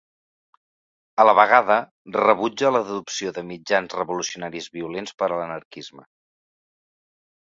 A la vegada, rebutja l'adopció de mitjans revolucionaris violents per a l'anarquisme.